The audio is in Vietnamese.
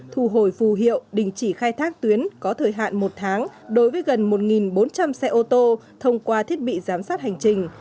thu hồi phù hiệu đình chỉ khai thác tuyến có thời hạn một tháng đối với gần một bốn trăm linh xe ô tô thông qua thiết bị giám sát hành trình